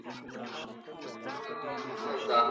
ولي محنتي ځوان د هوښیار انسان په پرتله بریا خپلوي؟